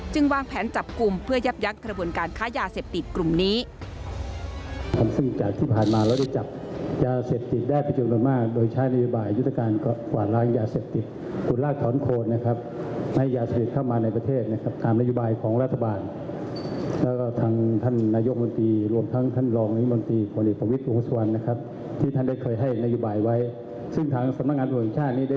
วางแผนจับกลุ่มเพื่อยับยั้งกระบวนการค้ายาเสพติดกลุ่มนี้